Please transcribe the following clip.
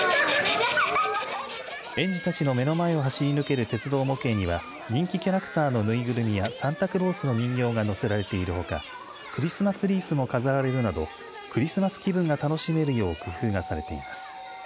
園児たちの目の前を走り抜ける鉄道模型には人気キャラクターのぬいぐるみやサンタクロースの人形が乗せられているほかクリスマスリースも飾られるなどクリスマス気分が楽しめるよう工夫がされています。